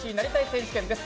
選手権です。